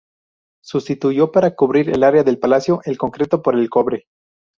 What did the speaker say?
Sustituyó para cubrir el área del palacio el concreto por el cobre.